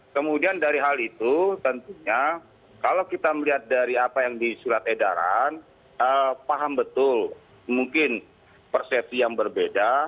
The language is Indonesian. kemudian dari hal itu tentunya kalau kita melihat dari apa yang di surat edaran paham betul mungkin persepsi yang berbeda